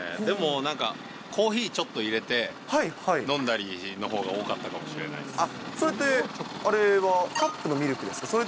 でもなんか、コーヒーちょっと入れて飲んだりのほうが多かったかもしれないでそれって、カップのミルクですか？